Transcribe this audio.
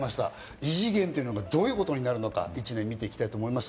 異次元というのがどういうことになるのか、１年見ていきたいと思います。